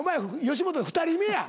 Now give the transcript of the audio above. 吉本で２人目や。